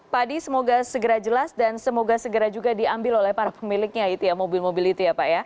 padi semoga segera jelas dan semoga segera juga diambil oleh para pemiliknya mobil mobil itu ya pak ya